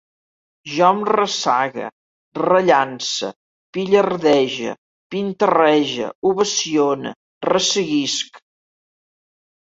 Jo em ressague, rellance, pillardege, pintarrege, ovacione, resseguisc